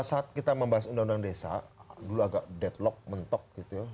saat kita membahas undang undang desa dulu agak deadlock mentok gitu ya